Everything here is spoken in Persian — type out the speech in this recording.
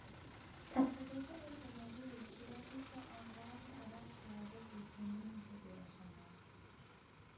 تصادف اتومبیل صورتش را آنقدر عوض کرده بود که نمیشد او را شناخت.